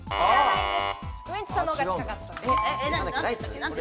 ウエンツさんの方が近かったです。